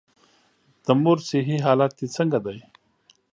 د مور صحي حالت دي څنګه دی؟